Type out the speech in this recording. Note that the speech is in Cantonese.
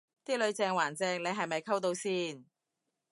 啲女正還正你係咪溝到先